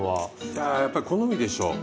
いややっぱり好みでしょう。